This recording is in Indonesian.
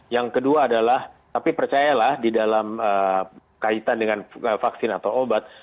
yang kedua adalah tapi percayalah di dalam kaitan dengan vaksin atau obat